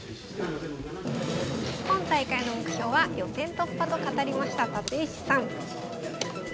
今大会の目標は予選突破と語りました立石さん。